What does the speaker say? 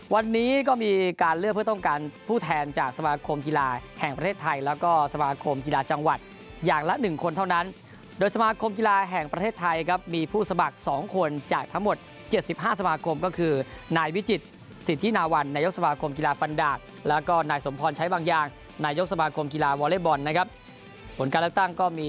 วันนี้ก็มีการเลือกเพื่อต้องการผู้แทนจากสมาคมกีฬาแห่งประเทศไทยแล้วก็สมาคมกีฬาจังหวัดอย่างละหนึ่งคนเท่านั้นโดยสมาคมกีฬาแห่งประเทศไทยครับมีผู้สมัครสองคนจากทั้งหมด๗๕สมาคมก็คือนายวิจิตสิทธินาวันนายกสมาคมกีฬาฟันดาบแล้วก็นายสมพรใช้บางอย่างนายกสมาคมกีฬาวอเล็กบอลนะครับผลการเลือกตั้งก็มี